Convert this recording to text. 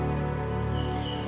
oh itu dia